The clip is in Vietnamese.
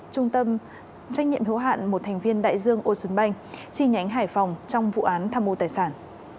trung tâm trách nhiệm hữu hạn một thành viên đại dương ocean bank chi nhánh hải phòng trong vụ án tham mô tài sản